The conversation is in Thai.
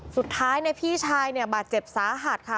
สุดท้ายพี่ชายเนี่ยบาดเจ็บสาหัสค่ะ